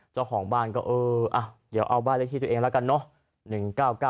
เจ้าของบ้านก็เออเดี๋ยวเอาบ้านเลขที่ตัวเองแล้วกันเนอะ